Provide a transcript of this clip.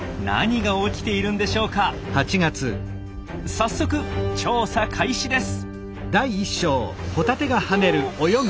早速調査開始です！